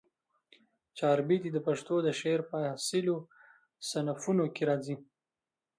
چاربیتې د پښتو د شعر په اصیلو صنفونوکښي راځي